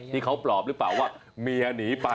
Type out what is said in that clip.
ที่เขาปลอบหรือเปล่าว่าเมียหนีไป